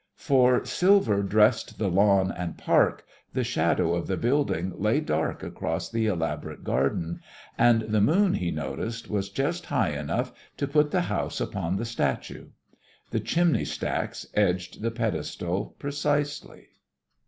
For silver dressed the lawn and park, the shadow of the building lay dark across the elaborate garden, and the moon, he noticed, was just high enough to put the house upon the statue. The chimney stacks edged the pedestal precisely.